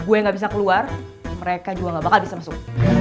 gue gak bisa keluar mereka juga gak bakal bisa masuk